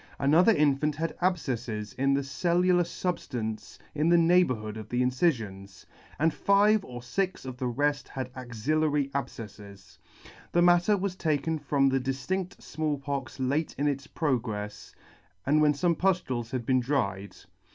Another infant had abfcefles in the cellular fub ftance in the neighbourhood of the incifions, and five or fix of the reft had axillary abfcefles. The matter was taken from the diftinfft Small Pox late in its progrefs, and when fome puftules had been dried.